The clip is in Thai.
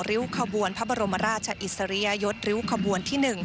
ริ้วขบวนพระบรมราชอิสริยยศริ้วขบวนที่๑